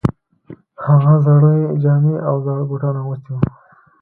هغه زړې جامې او زاړه بوټان اغوستي وو